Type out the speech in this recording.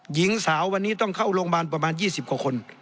หญิงสาววันนี้ต้องเข้าโรงพยาบาลประมาณ๒๐กว่าคน